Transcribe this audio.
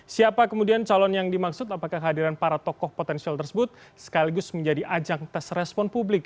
siapa kemudian calon yang dimaksud apakah kehadiran para tokoh potensial tersebut sekaligus menjadi ajang tes respon publik